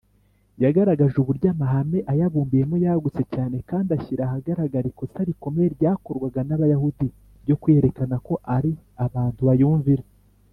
yagaragaje uburyo amahame ayabumbiyemo yagutse cyane kandi ashyira ahagaragara ikosa rikomeye ryakorwaga n’abayahudi ryo kwiyerekana ko ari abantu bayumvira